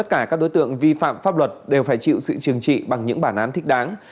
các đối tượng vi phạm pháp luật đều phải chịu sự trừng trị bằng những bản án thích đáng